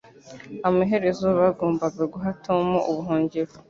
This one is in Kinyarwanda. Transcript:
Amaherezo bagombaga guha Tom ubuhungiro